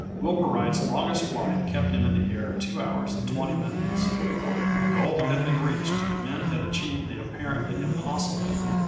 Wilbur Wright's longest flight kept him in the air 2 hours and 20 minutes. The goal had been reached men had achieved the apparently impossible.